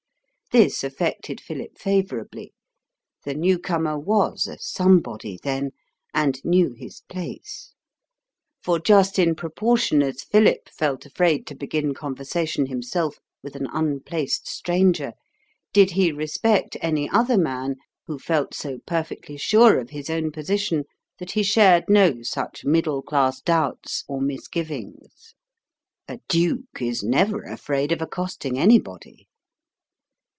This affected Philip favourably: the newcomer was a somebody then, and knew his place: for just in proportion as Philip felt afraid to begin conversation himself with an unplaced stranger, did he respect any other man who felt so perfectly sure of his own position that he shared no such middle class doubts or misgivings. A duke is never afraid of accosting anybody.